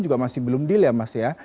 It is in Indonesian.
juga masih belum deal ya mas ya